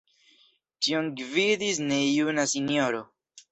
Ĉion gvidis nejuna sinjoro.